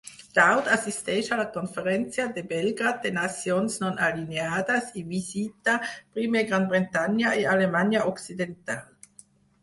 Daud assisteix a la conferència de Belgrad de nacions no alineades i visita primer Gran Bretanya i Alemanya Occidental.